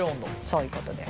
そういうことです。